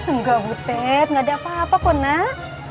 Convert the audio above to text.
enggak bu tet enggak ada apa apa kunah